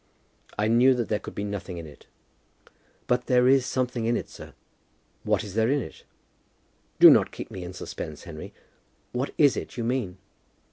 I knew that there could be nothing in it." "But there is something in it, sir." "What is there in it? Do not keep me in suspense, Henry. What is it you mean?"